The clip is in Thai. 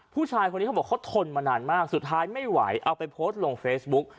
ผู้ชายคนนี้เขาบอกเขาทนมานานมากสุดท้ายไม่ไหวเอาไปโพสต์ลงเฟซบุ๊ก